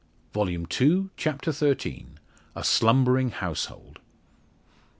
Volume Two, Chapter XIII. A SLUMBERING HOUSEHOLD.